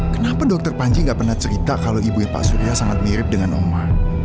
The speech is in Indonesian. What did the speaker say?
kenapa dokter panji gak pernah cerita kalau ibu pak surya sangat mirip dengan oma